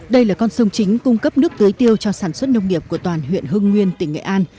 đây là con sông chính cung cấp nước tưới tiêu cho sản xuất nông nghiệp của toàn huyện hưng nguyên tỉnh nghệ an